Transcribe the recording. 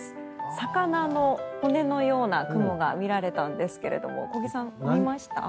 魚の骨のような雲が見られたんですけれども小木さん、見ました？